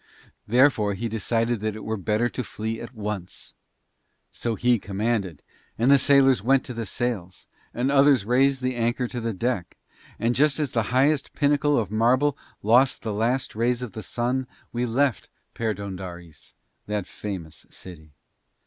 Therefore he decided that it were better to flee at once; so he commanded, and the sailors went to the sails, and others raised the anchor to the deck, and just as the highest pinnacle of marble lost the last rays of the sun we left Perdóndaris, that famous city.